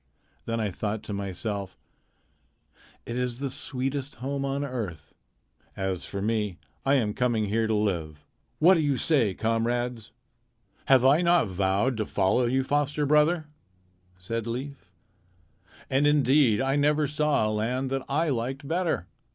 Then I thought to myself, 'It is the sweetest home on earth.' As for me, I am coming here to live. What do you say, comrades?" "Have I not vowed to follow you, foster brother?" said Leif. "And indeed I never saw a land that I liked better.